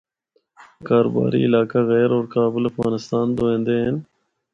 کاروباری علاقہ غیر ہور کابل افغانستان تو اِیندے ہن۔